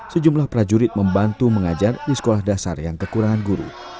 sejumlah prajurit membantu mengajar di sekolah dasar yang kekurangan guru